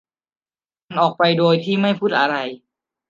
มันออกไปโดยที่ไม่พูดอะไร